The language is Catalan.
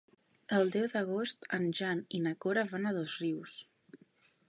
El deu d'agost en Jan i na Cora van a Dosrius.